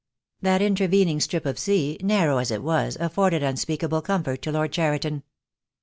That intervening strip of sea, narrow as it was afforded unspeakable comfort to Lord Cheriton.